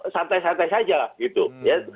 santai santai saja gitu ya